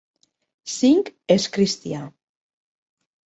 Cink és cristià.